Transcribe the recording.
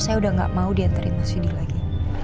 saya udah gak mau dianterin mas yudi lagi